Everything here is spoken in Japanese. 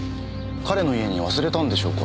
彼の家に忘れたんでしょうか？